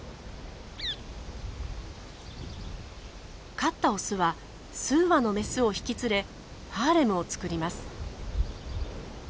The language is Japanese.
勝ったオスは数羽のメスを引き連れハーレムを作ります。